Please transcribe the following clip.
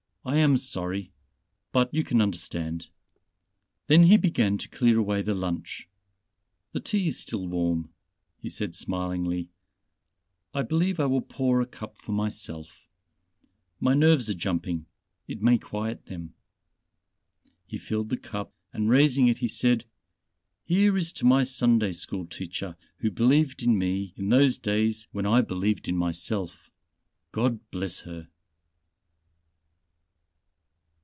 I am sorry ... but you can understand." Then he began to clear away the lunch. "The tea is still warm," he said smilingly, "I believe I will pour a cup for myself ... my nerves are jumping, it may quiet them." He filled the cup and raising it he said: "Here is to my Sunday school teacher who believed in me in those days when I believed in myself. God bless her."